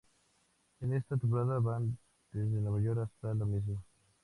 En esta temporada van desde Nueva York hasta la misma.